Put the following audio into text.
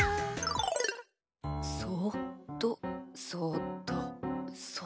そっとそっとそ。